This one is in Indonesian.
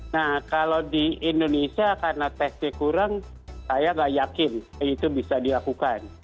nah kalau di indonesia karena tesnya kurang saya nggak yakin itu bisa dilakukan